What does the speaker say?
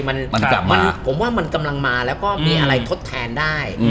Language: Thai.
มันผมว่ามันกำลังมาแล้วก็มีอะไรทดแทนได้